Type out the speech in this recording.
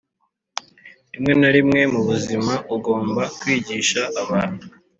rimwe na rimwe mubuzima ugomba kwigisha abantu